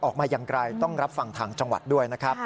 ออกมาอย่างไกลต้องรับฟังทางจังหวัดด้วย